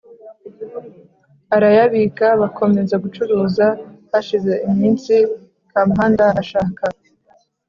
arayabika. Bakomeza gucuruza. Hashize iminsi, Kamuhanda ashaka